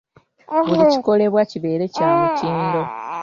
Buli kikolebwa kibeere kya mutindo.